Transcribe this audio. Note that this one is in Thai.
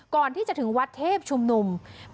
ก่อนที่จะถึงวัดเทพชุมนุม